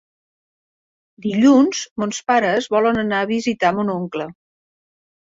Dilluns mons pares volen anar a visitar mon oncle.